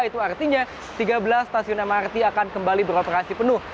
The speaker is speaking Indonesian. itu artinya tiga belas stasiun mrt akan kembali beroperasi penuh